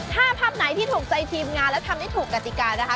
ถ้าภาพไหนที่ถูกใจทีมงานและทำได้ถูกกติกานะคะ